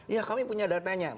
ya kami punya datanya